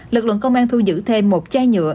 lực lượng công an thu giữ thêm một chai nhựa